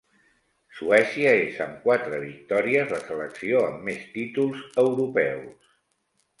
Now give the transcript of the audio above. Suècia és, amb quatre victòries, la selecció amb més títols europeus.